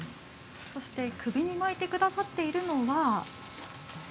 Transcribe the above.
首に巻いてくださっているのが。